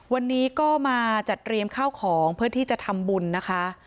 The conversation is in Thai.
วันนี้ก็มาจัดเตรียมข้าวของเพื่อที่จะทำบุญนะคะ